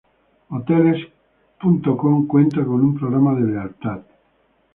Hoteles.com cuenta con un programa de lealtad.